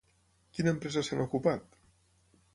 Quina empresa se n'ha ocupat?